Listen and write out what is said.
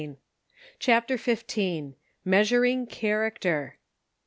CHAPTER XV. MEASURING CHARACTER.